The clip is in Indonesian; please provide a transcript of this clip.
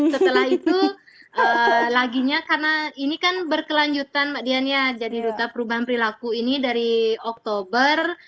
setelah itu laginya karena ini kan berkelanjutan mbak dian ya jadi ruta perubahan perilaku ini dari oktober